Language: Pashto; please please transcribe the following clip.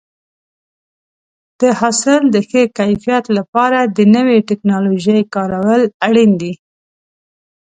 د حاصل د ښه کیفیت لپاره د نوې ټکنالوژۍ کارول اړین دي.